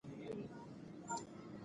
موږ به په راتلونکي کې نورې سیارې وګورو.